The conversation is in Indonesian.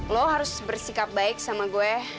lo harus bersikap baik sama gue